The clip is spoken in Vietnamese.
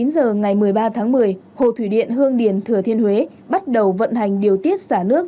chín giờ ngày một mươi ba tháng một mươi hồ thủy điện hương điền thừa thiên huế bắt đầu vận hành điều tiết xả nước